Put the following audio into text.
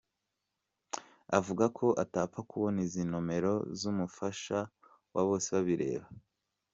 avuga ko atapfa kubona izi nomero zumufasha wa Bosebabireba.